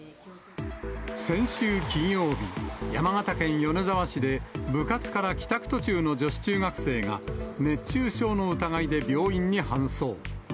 先週金曜日、山形県米沢市で、部活から帰宅途中の女子中学生が、熱中症の疑いで病院に搬送。